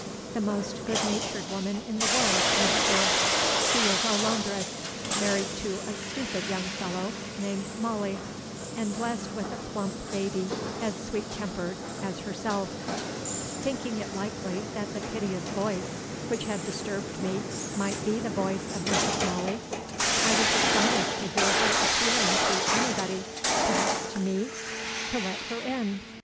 The most good natured woman in the world lives here. She is our laundress married to a stupid young fellow named Molly, and blessed with a plump baby as sweet tempered at herself. Thinking it likely that the piteous voice which had disturbed me might be the voice of Mrs. Molly, I was astonished to hear her appealing to anybody (perhaps to me?) to "let her in."